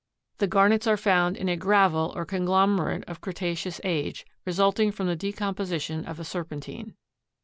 The garnets are found in a gravel or conglomerate of Cretaceous age, resulting from the decomposition of a serpentine.